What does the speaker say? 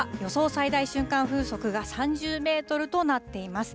最大瞬間風速が３０メートルとなっています。